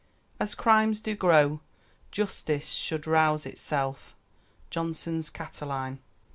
"As crimes do grow, justice should rouse itself." JOHNSON'S CATILINE.